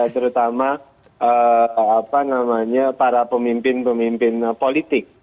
terutama para pemimpin pemimpin politik